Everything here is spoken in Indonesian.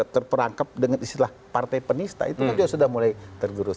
terperangkap dengan istilah partai penista itu kan juga sudah mulai tergerus